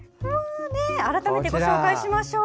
改めて、紹介しましょう。